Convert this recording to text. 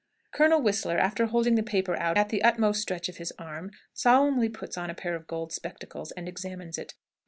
Colonel Whistler, after holding the paper out at the utmost stretch of his arm, solemnly puts on a pair of gold spectacles and examines it.